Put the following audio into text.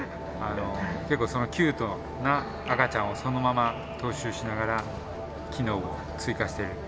結構キュートな赤ちゃんをそのまま踏襲しながら機能を追加してる。